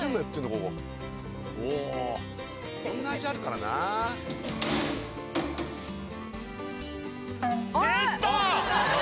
ここ色んな味あるからなえっ